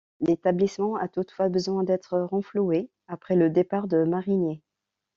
L'établissement a toutefois besoin d'être renfloué après le départ de Marinier.